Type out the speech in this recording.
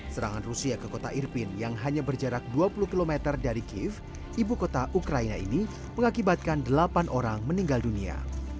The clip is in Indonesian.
serangan rusia ke kota irpin yang hanya berjarak dua puluh km dari kiev ibu kota ukraina ini mengakibatkan delapan orang meninggal dunia